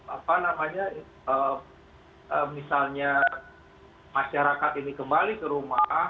apa namanya misalnya masyarakat ini kembali ke rumah